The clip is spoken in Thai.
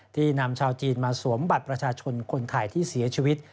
นำชาวจีนมาสวมบัตรประชาชนคนไทยที่เสียชีวิต